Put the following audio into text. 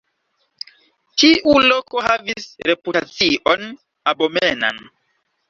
Tiu loko havis reputacion abomenan.